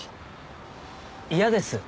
嫌です。